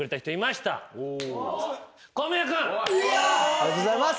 ありがとうございます！